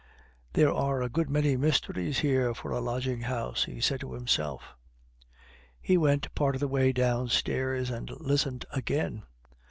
"There are a good many mysteries here for a lodging house!" he said to himself. He went part of the way downstairs and listened again.